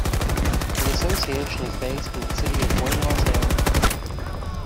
The association is based in the city of Buenos Aires.